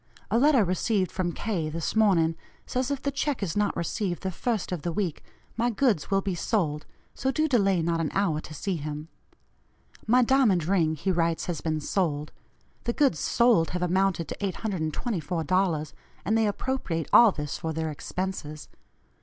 A letter received from K. this morning says if the check is not received the first of the week, my goods will be sold so do delay not an hour to see him. My diamond ring he writes has been sold; the goods sold have amounted to $824, and they appropriate all this for their expenses.